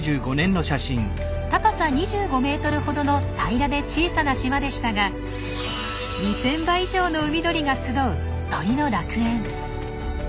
高さ２５ｍほどの平らで小さな島でしたが２，０００羽以上の海鳥が集う「鳥の楽園」。